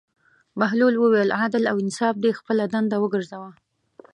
بهلول وویل: عدل او انصاف دې خپله دنده وګرځوه.